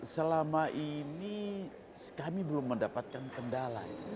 selama ini kami belum mendapatkan kendala